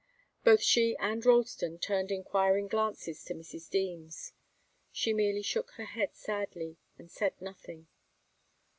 Both she and Ralston turned enquiring glances to Mrs. Deems. She merely shook her head sadly and said nothing.